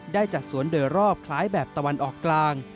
ได้จัดสวนโดยรอบคล้ายแบบตะวันออกกลาง